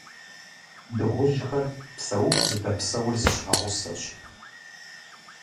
Дыгъужьхэр псэуху зыдэпсэур зы щхьэгъусэщ.